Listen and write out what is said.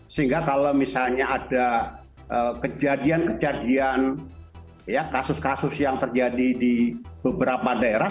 sehingga kalau misalnya ada kejadian kejadian kasus kasus yang terjadi di beberapa daerah